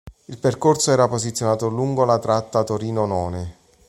Il percorso era posizionato lungo la tratta Torino-None.